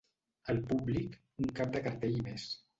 El públic, ‘un cap de cartell més’